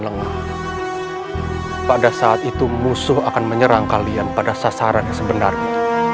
lengah pada saat itu musuh akan menyerang kalian pada sasaran yang sebenarnya